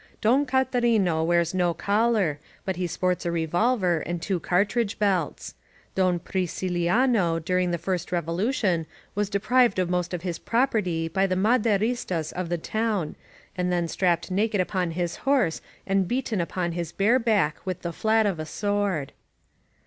Don Catarino wears no collar, but he sports a revolver and two cartridge belts. Don Priciliano during the first Revolution was deprived of most of his property by the Maderistas of the town, and then strapped naked upon his horse and beaten upon his bare back with the flat of a sword.